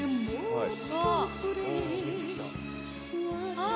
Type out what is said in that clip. あっ！